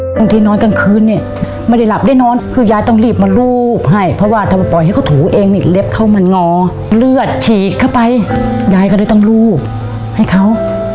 บางทีนอนกลางคืนเนี่ยไม่ได้หลับได้นอนคือยายต้องรีบมารูปให้เพราะว่าถ้ามาปล่อยให้เขาถูเองนี่เล็บเขามันงอเลือดฉีกเข้าไปยายก็เลยต้องรูปให้เขา